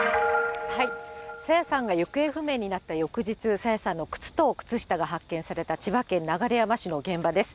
朝芽さんが行方不明になった翌日、朝芽さんの靴と靴下が発見された千葉県流山市の現場です。